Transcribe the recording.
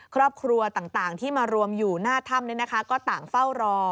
ครอบครัวต่างที่มารวมอยู่หน้าถ้ำก็ต่างเฝ้ารอ